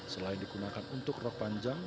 selain digunakan untuk rok panjang